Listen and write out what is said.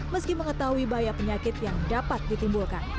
meski mengetahui bahaya penyakit yang dapat ditimbulkan